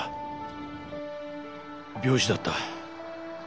病死だった。